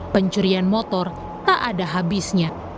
pencurian motor tak ada habisnya